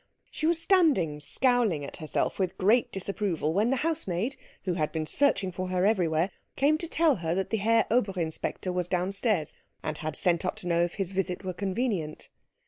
She was standing scowling at herself with great disapproval when the housemaid, who had been searching for her everywhere, came to tell her that the Herr Oberinspector was downstairs, and had sent up to know if his visit were convenient.